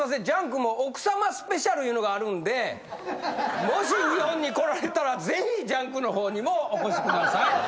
『ジャンク』も奥さまスペシャルいうのがあるんでもし日本に来られたらぜひ『ジャンク』の方にもお越しください。